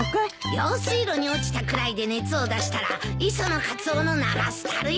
用水路に落ちたくらいで熱を出したら磯野カツオの名が廃るよ。